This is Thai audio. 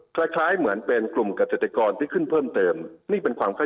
คล้ายเหมือนกับกลุ่มก